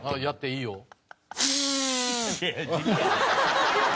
やっていいよ。